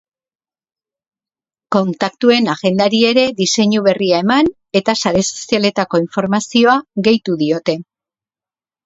Kontaktuen agendari ere diseinu berria eman eta sare sozialetako informazioa gehitu diote.